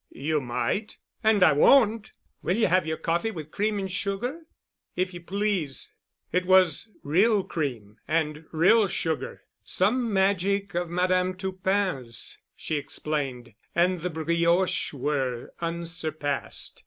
"You might." "And I won't. Will you have your coffee with cream and sugar?" "If you please." It was real cream and real sugar—some magic of Madame Toupin's, she explained, and the brioches were unsurpassed.